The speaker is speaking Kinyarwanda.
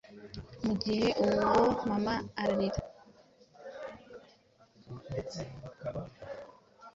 Mugihe uri wowe mama ararira.